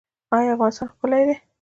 آیا افغانستان ښکلی دی؟